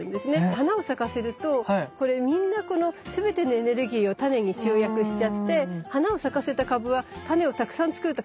花を咲かせるとこれみんなこの全てのエネルギーをタネに集約しちゃって花を咲かせた株はタネをたくさん作ると枯れちゃうんです。